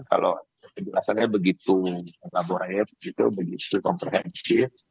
kalau penjelasannya begitu elaboratif begitu komprehensif